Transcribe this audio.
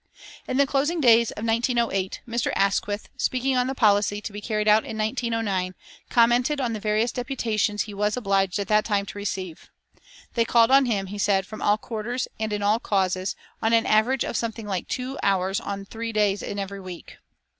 In the closing days of 1908 Mr. Asquith, speaking on the policy to be carried out in 1909, commented on the various deputations he was obliged at that time to receive. They called on him, he said, "from all quarters and in all causes, on an average of something like two hours on three days in every week."